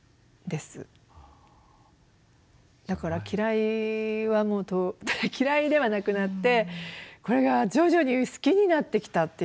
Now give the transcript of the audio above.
だから嫌いは嫌いではなくなってこれが徐々に好きになってきたっていう感じがします。